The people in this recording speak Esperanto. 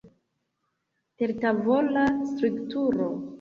Tertavola strukturo.